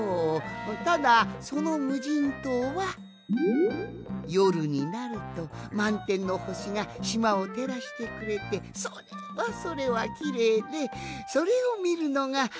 ただそのむじんとうはよるになるとまんてんのほしがしまをてらしてくれてそれはそれはきれいでそれをみるのがたのしみなんじゃが。